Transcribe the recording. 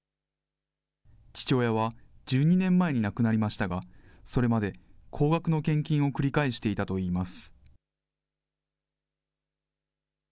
父親は１２年前に亡くなりましたが、それまで高額の献金を繰り返していたといいます。